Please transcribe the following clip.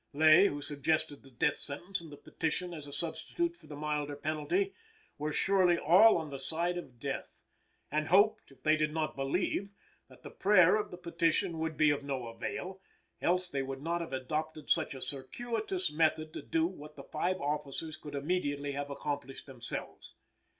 They, who suggested the death sentence and the petition as a substitute for the milder penalty, were surely all on the side of death, and hoped, if they did not believe, that the prayer of the petition would be of no avail; else they would not have adopted such a circuitous method to do what the five officers could immediately have accomplished themselves.